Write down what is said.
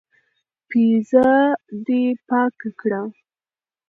پېزه دي پاکه کړه.